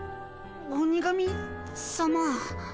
鬼神さま。